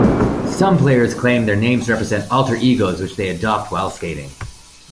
Some players claim their names represent alter egos which they adopt while skating.